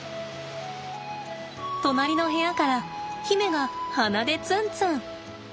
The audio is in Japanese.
隣の部屋から媛が鼻でツンツン。